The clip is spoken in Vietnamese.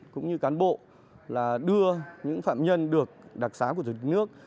cũng như cán bộ là đưa những phạm nhân được đặc xá của thủ tướng nước